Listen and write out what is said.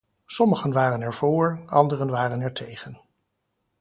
Sommigen waren er voor, anderen waren er tegen.